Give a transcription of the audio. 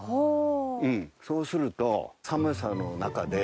そうすると。